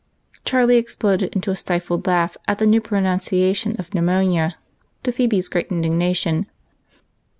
Charlie exploded into a stifled laugh at the new pro nunciation of pneumonia, to Phebe's great indigna tion.